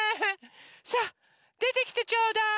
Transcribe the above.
さあでてきてちょうだい。